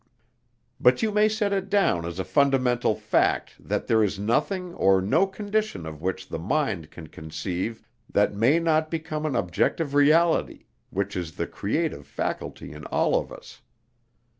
But you may set it down as a fundamental fact that there is nothing or no condition of which the mind can conceive that may not become an objective reality, which is the creative faculty in all of us.